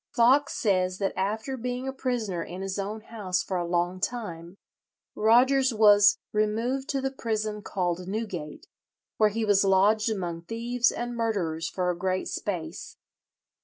Foxe says that after being a prisoner in his own house for a long time, Rogers was "removed to the prison called Newgate, where he was lodged among thieves and murderers for a great space."